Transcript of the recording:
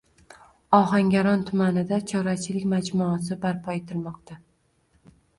Ohangaron tumanida chorvachilik majmuasi barpo etilmoqda